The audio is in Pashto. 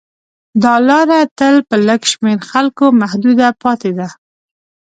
دا لاره تل په لږ شمېر خلکو محدوده پاتې ده.